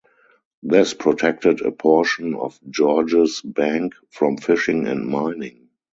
This protected a portion of Georges Bank from fishing and mining.